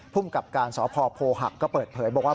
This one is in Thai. ภูมิกับการสพโพหักก็เปิดเผยบอกว่า